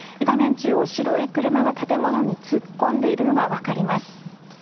中央、白い車が建物に突っ込んでいるのが分かります。